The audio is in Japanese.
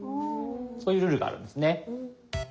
そういうルールがあるんですね。